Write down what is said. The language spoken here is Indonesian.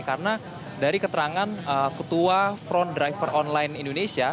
karena dari keterangan ketua front driver online indonesia